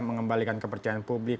mengembalikan kepercayaan publik